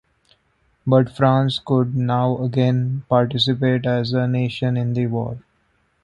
But France could now again participate as a nation in the war.